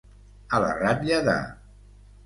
A la ratlla de.